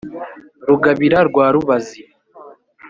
rugabira rwa rubazi,